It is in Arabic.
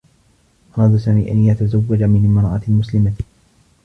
أراد سامي أن يتزوّج من امرأة مسلمة.